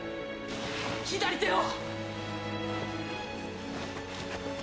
左手を！